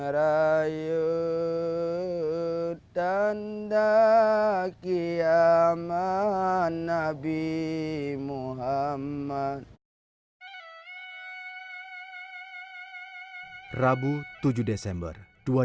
rabu tujuh desember dua ribu enam belas